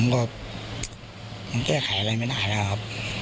ผมก็มันแก้ไขอะไรไม่ได้นะครับ